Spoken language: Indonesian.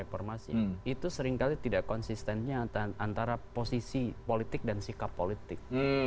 reformasi itu seringkali tidak konsistennya antara posisi politik dan sikap politik